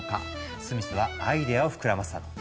スミスはアイデアを膨らませたの。